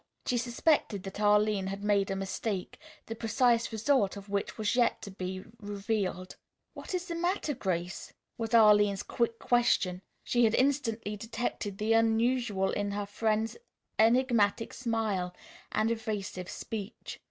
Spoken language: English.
She suspected that Arline had made a mistake, the precise result of which was yet to be revealed. "What is the matter, Grace?" was Arline's quick question. She had instantly detected the unusual in her friend's enigmatic smile and evasive speech.